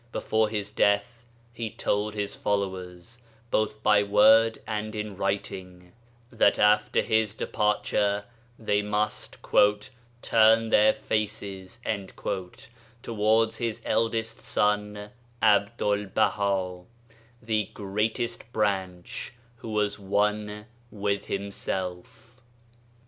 Before his death he told his followers, both by word and in writing, that after his departure they must " turn their faces " towards his eldest son Abdul Baha, the *' Greatest Branch " who was one with himself.